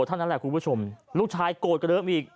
เท่านั้นแหละคุณผู้ชมลูกชายโกรธกว่าเดิมอีก